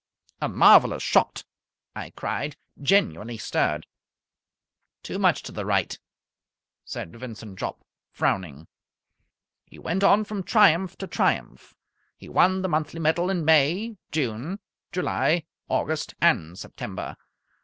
"A marvellous shot!" I cried, genuinely stirred. "Too much to the right," said Vincent Jopp, frowning. He went on from triumph to triumph. He won the monthly medal in May, June, July, August, and September.